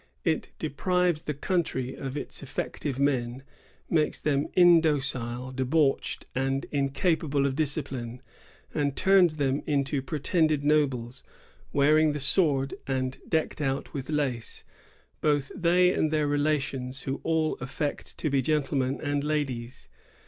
It deprives the country of its effective men; makes them indocile, debauched, and incapable of discipline, and turns them into pre tended nobles, — wearing the sword and decked out with lace, both they and their relations, who all affect to be gentlemen and ladies.